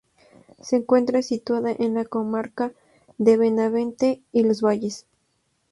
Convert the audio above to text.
Se encuentra situada en la comarca de Benavente y Los Valles.